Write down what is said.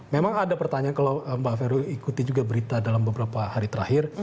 memang ada pertanyaan kalau mbak vero ikuti juga berita dalam beberapa hari terakhir